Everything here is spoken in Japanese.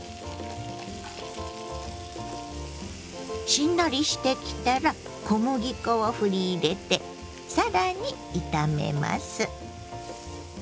しんなりしてきたら小麦粉をふり入れて更に炒めます。